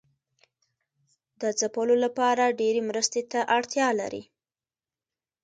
د ځپلو لپاره ډیرې مرستې ته اړتیا لري.